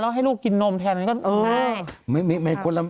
แล้วให้ลูกกินนมแทนนั้นก็เออ